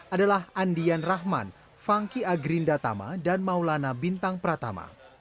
adalah andian rahman fangki agrindatama dan maulana bintang pratama